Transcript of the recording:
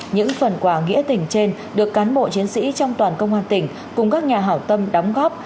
những phần quà nghĩa tình trên được cán bộ chiến sĩ trong toàn công an tỉnh cùng các nhà hảo tâm đóng góp